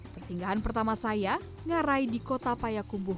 persinggahan pertama saya ngarai di kota payakumbuh